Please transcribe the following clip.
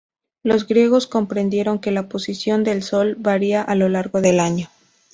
Los griegos comprendieron que la posición del Sol varía a lo largo del año.